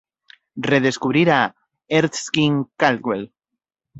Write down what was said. Redescubir a Erskine Caldwell